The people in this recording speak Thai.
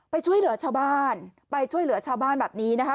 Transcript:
ไปช่วยเหลือชาวบ้านไปช่วยเหลือชาวบ้านแบบนี้นะคะ